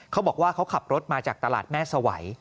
เขาบอกว่าเขาขับรถมาจากตลาดแม่สวัย